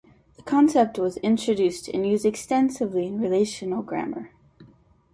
The concept was introduced and used extensively in relational grammar.